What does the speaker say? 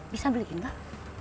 bisa beli enggak